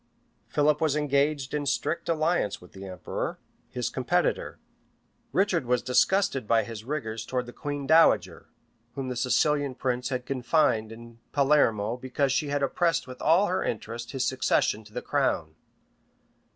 Philip was engaged in a strict alliance with the emperor, his competitor: Richard was disgusted by his rigors towards the queen dowager, whom the Sicilian prince had confined in Palermo because she had opposed with all her interest his succession to the crown.